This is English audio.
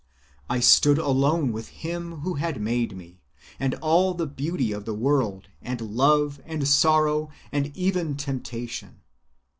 I stood alone with Him who had made me, and all the beauty of the world, and love, and sorrow, and even temptation.